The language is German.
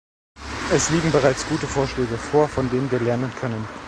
Es liegen bereits gute Vorschläge vor, von denen wir lernen können.